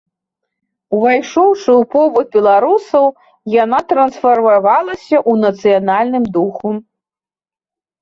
Увайшоўшы ў побыт беларусаў, яна трансфармавалася ў нацыянальным духу.